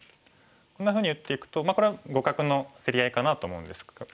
こんなふうに打っていくとこれは互角の競り合いかなと思うんですけど。